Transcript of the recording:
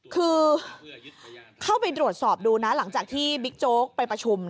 คือเข้าไปตรวจสอบดูนะหลังจากที่บิ๊กโจ๊กไปประชุม